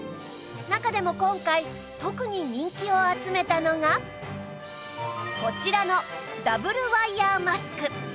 中でも今回特に人気を集めたのがこちらのダブルワイヤーマスク